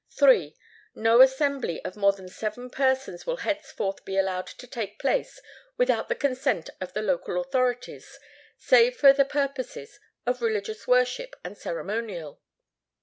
"III. No assembly of more than seven persons will henceforth be allowed to take place, without the consent of the local authorities, save for the purposes of religious worship and ceremonial.